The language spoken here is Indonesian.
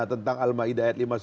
tentang alma ida ayat lima puluh satu